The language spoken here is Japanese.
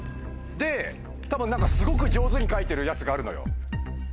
多分何かすごく上手に描いてるやつがあるのよ。